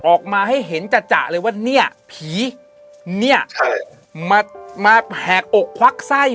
ออกมาให้เห็นจัดเลยว่าเนี่ยผีเนี่ยมาแหกอกควักไส้